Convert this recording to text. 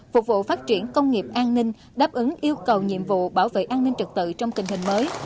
phục vụ phát triển công nghiệp an ninh đáp ứng yêu cầu nhiệm vụ bảo vệ an ninh trật tự trong tình hình mới